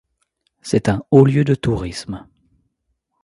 C'est un haut lieu de tourisme.